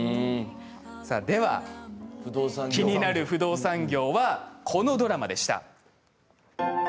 では気になる不動産業はこのドラマでした。